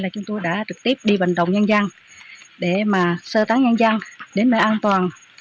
chúng tôi đã trực tiếp đi bằng đồng nhanh giang để mà sơ táng nhanh giang đến về an toàn